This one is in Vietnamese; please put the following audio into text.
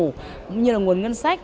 cũng như là nguồn ngân sản phẩm